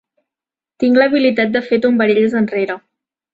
Tinc l'habilitat de fer tombarelles enrere.